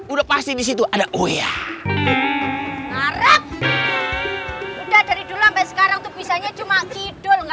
udah pasti disitu ada oh iya ngarah udah dari dulu sampai sekarang tuh bisanya cuma kidul